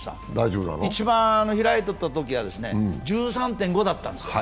一番開いていたときは１３．５だったんですよ。